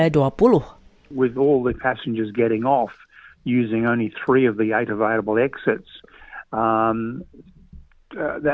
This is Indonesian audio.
itu adalah perjalanan yang luar biasa